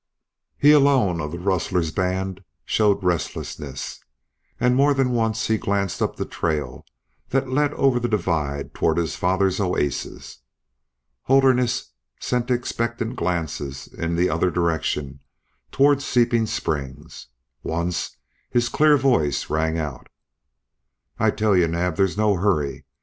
He alone of the rustler's band showed restlessness, and more than once he glanced up the trail that led over the divide toward his father's oasis. Holderness sent expectant glances in the other direction toward Seeping Springs. Once his clear voice rang out: "I tell you, Naab, there's no hurry.